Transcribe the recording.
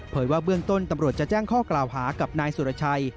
ว่าเบื้องต้นตำรวจจะแจ้งข้อกล่าวหากับนายสุรชัย